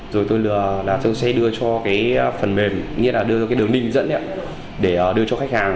rồi tôi sẽ đưa cho cái phần mềm như là đưa cho cái đường linh dẫn để đưa cho khách hàng